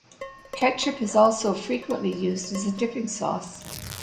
Ketchup is also frequently used as a dipping sauce.